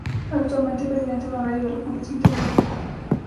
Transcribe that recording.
Actualmente, presidente honorario de la Fundación Tierra Amarilla.